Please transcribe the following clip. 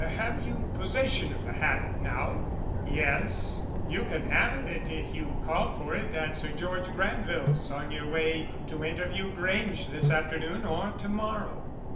"Have you possession of the hat now?" "Yes. You can have it if you call for it at Sir George Granville's, on your way to interview Grange this afternoon or to morrow.